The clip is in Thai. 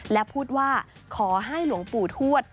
และพูดว่าขอให้หลวงปู่ทวด